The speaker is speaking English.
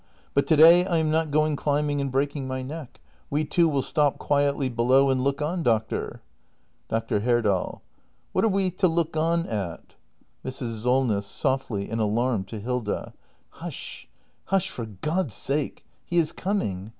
But to day I am not going climbing and breaking my neck. We two will stop quietly below and look on, doctor. Dr. Herdal. What are we to look on at ? Mrs. Solness. [Softly, in alarm, to Hilda.] Hush, hush — for God's sake! He is coming!